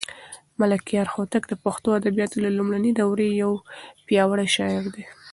ملکیار هوتک د پښتو ادبیاتو د لومړنۍ دورې یو پیاوړی شاعر دی.